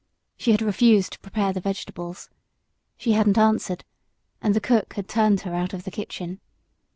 She had refused to prepare the vegetables. She hadn't answered, and the cook had turned her out of the kitchen.